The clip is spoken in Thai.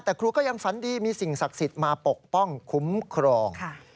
แต่ครูก็ยังฝันดีมีสิ่งศักดิ์สิทธิ์มาปกป้องคุ้มครอง